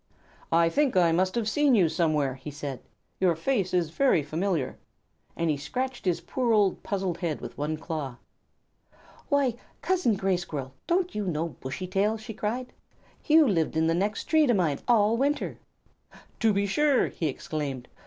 "I think I must have seen you somewhere," he said; "your face is very familiar." And he scratched his poor old puzzled head with one claw. "Why, Cousin Gray Squirrel, don't you know Bushy tail?" she cried. "You lived the next tree to mine all winter." "To be sure!" he exclaimed.